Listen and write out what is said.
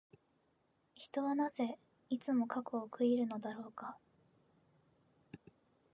人はなぜ、いつも過去を悔いるのだろうか。